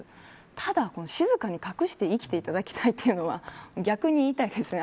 ただ静かに隠して生きていただきたいというのは逆に、言いたいですね。